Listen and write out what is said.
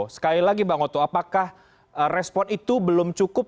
sekali lagi bang oto apakah respon itu belum cukup